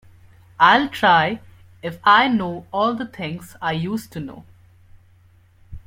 I’ll try if I know all the things I used to know.